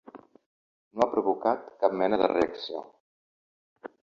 No ha provocat cap mena de reacció.